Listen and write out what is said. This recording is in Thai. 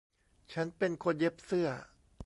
ฉันเป็นคนเย็บเสื้อ